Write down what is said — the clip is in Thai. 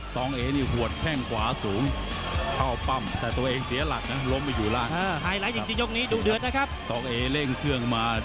เอนี่หัวแข้งขวาสูงเข้าปั้มแต่ตัวเองเสียหลักนะล้มไปอยู่แล้ว